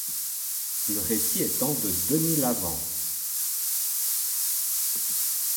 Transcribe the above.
Le récit étant de Denis Lavant.